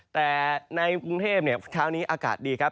แต่ในกรุงเทพเช้านี้อากาศดีครับ